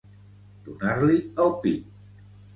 Donar-li el pit.